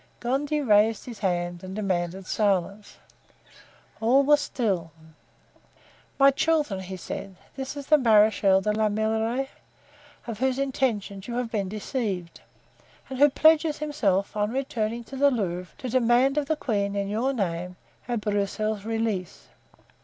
Gondy raised his hand and demanded silence. All were still. "My children," he said, "this is the Marechal de la Meilleraie, as to whose intentions you have been deceived and who pledges himself, on returning to the Louvre, to demand of the queen, in your name, our Broussel's release.